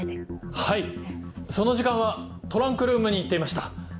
その時間はトランクルームに行っていました。